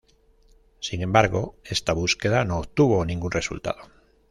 Sin embargo, esta búsqueda no obtuvo ningún resultado.